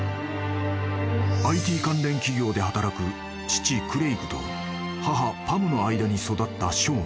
［ＩＴ関連企業で働く父クレイグと母パムの間に育ったショーン］